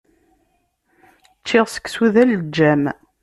Ččiɣ seksu d aleǧǧam.